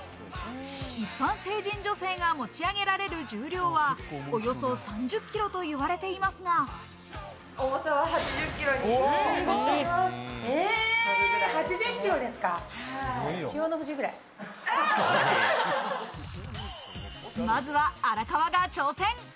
一般成人女性が持ち上げられる重量は、およそ３０ｋｇといわれていますが、まずは荒川が挑戦。